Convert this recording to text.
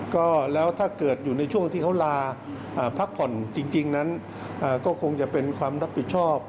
ก็แล้วถ้าเกิดอยู่ในช่วงที่เขาลาพักผ่อนจริงนั้นก็คงจะเป็นความรับผิดชอบ